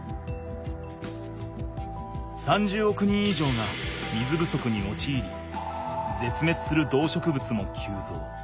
３０億人以上が水ぶそくにおちいりぜつめつする動植物も急増。